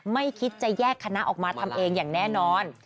ไม่คิดจะแยกคณะออกมาทำเองอย่างแน่นอน